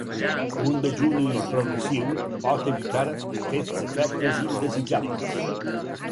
Un dejuni progressiu pot evitar aquests efectes indesitjables.